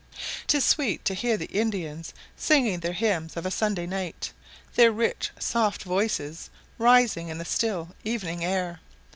'Tis sweet to hear the Indians singing their hymns of a Sunday night; their rich soft voices rising in the still evening air.